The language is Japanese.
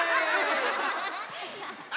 あ！